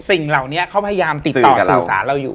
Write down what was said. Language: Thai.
สิ่งเหล่านี้เขาพยายามติดต่อสื่อสารเราอยู่